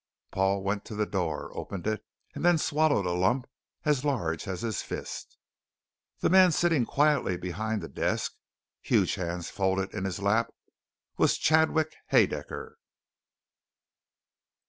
Paul went to the door, opened it, and then swallowed a lump as large as his fist. The man sitting quietly behind the desk, huge hands folded in his lap, was Chadwick Haedaecker.